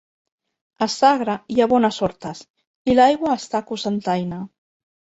A Sagra hi ha bones hortes i l’aigua està a Cocentaina.